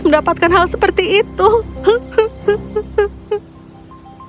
mendapatkan hal seperti itu